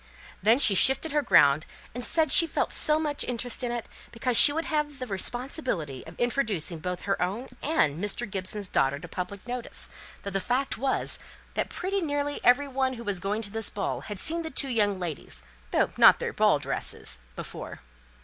Then she shifted her ground, and said she felt so much interest in it, because she would then have the responsibility of introducing both her own and Mr. Gibson's daughter to public notice, though the fact was that pretty nearly every one who was going to this ball had seen the two young ladies though not their ball dresses before.